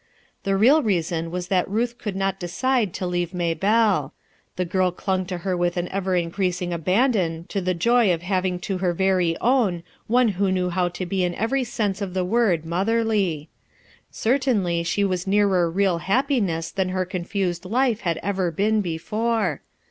The real reason was that Ruth could not decide to leave Maybellc. The girl clung to her with 2SS RUTH ERSKINE'S SON an ever increasing abandon to the joy of having for her very own one who knew how to be i n every sense of the word motherly. Certainly she was nearer real happiness than her confused life had ever been before.